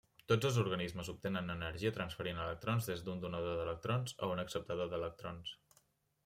Tots els organismes obtenen energia transferint electrons des d'un donador d'electrons a un acceptador d'electrons.